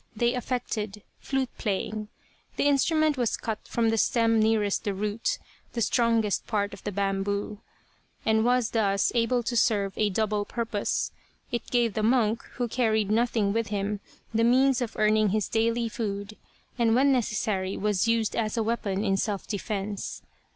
They affected flute playing. This instrument was cut from the stem nearest the root, the strongest part of the bamboo, and was thus able to serve a double purpose. It gave the monk, who carried nothing with him, the means of earning his daily food, and when necessary was used as a weapon in self defence.